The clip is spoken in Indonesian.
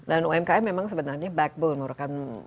dan umkm memang sebenarnya backbone menurutkan